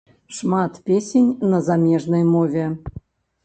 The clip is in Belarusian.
Шмат песень на замежнай мове.